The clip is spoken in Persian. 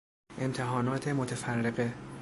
امتحانات متفرقه